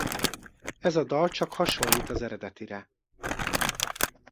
Ez a dal csak hasonlít az eredetire.